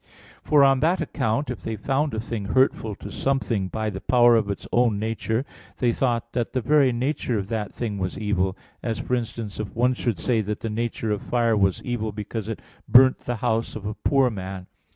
For on that account, if they found a thing hurtful to something by the power of its own nature, they thought that the very nature of that thing was evil; as, for instance, if one should say that the nature of fire was evil because it burnt the house of a poor man.